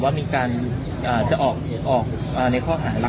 เขาดีการแรกหลายการเข้ามาร้าน